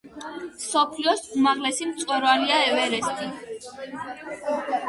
მსოფლიოს უმაღლესი მწვერვალია ევერესტი.